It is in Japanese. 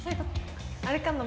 あれかな？